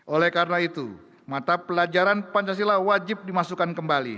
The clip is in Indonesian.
oleh karena itu mata pelajaran pancasila wajib dimasukkan kembali